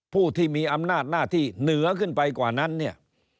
ผู้ที่มีอำนาจหน้าที่เหนือขึ้นไปกว่านั้นเนี่ย